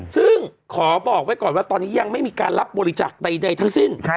ซึ่งขอบอกไว้ก่อนว่าตอนนี้ยังไม่มีการรับบริจาคใดทั้งสิ้น